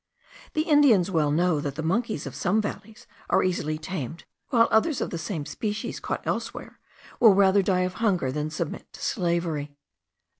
The Indians well know that the monkeys of some valleys are easily tamed, while others of the same species, caught elsewhere, will rather die of hunger than submit to slavery.